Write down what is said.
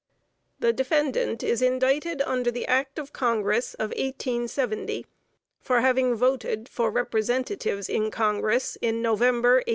The defendant is indicted under the act of Congress of 1870, for having voted for Representatives in Congress in November, 1872.